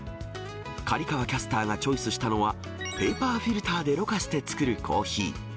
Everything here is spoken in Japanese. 刈川キャスターがチョイスしたのは、ペーパーフィルターでろ過して作るコーヒー。